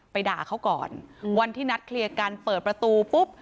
ด่าเขาก่อนวันที่นัดเคลียร์กันเปิดประตูปุ๊บ